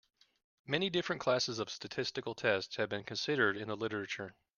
Many different classes of statistical tests have been considered in the literature.